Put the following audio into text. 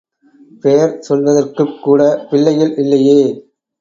பெயர் சொல்வதற்குக் கூடப் பிள்ளைகள் இல்லையே!